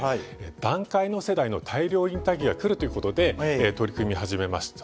団塊の世代の大量引退期が来るということで取り組み始めました。